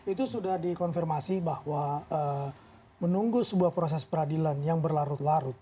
itu sudah dikonfirmasi bahwa menunggu sebuah proses peradilan yang berlarut larut